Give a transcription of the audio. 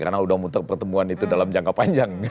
karena udah muter pertemuan itu dalam jangka panjang